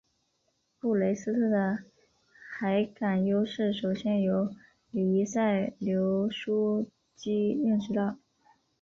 布雷斯特的海港优势首先由黎塞留枢机认识到。